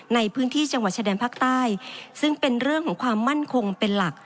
ในพื้นที่จังหวัดชายแดนภาคใต้ซึ่งเป็นเรื่องของความมั่นคงเป็นหลัก